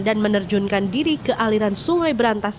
dan menerjunkan diri ke aliran sungai berantas